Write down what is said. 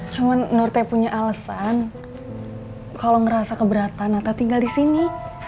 cuman nurte punya alesan kalo ngerasa keberatan nata tinggal disini